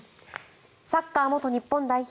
サッカー元日本代表